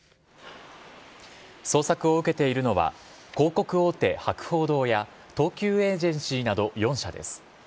捜索を受けているのは、広告大手、博報堂や東急エージェンシーなど４社です。